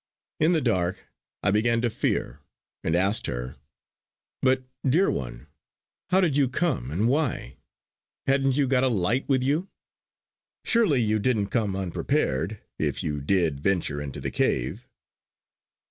In the dark! I began to fear, and asked her: "But, dear one, how did you come; and why? Hadn't you got a light with you? Surely you didn't come unprepared, if you did venture into the cave!"